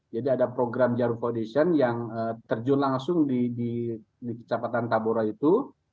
jadi ada program jarum foundation yang terjun langsung di kecapatan tambora itu